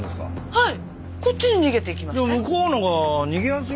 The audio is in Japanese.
はい。